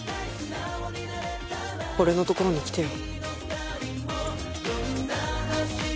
俺のところに来てよ。